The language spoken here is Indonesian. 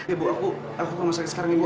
ibu aku rumah sakit sekarang ibu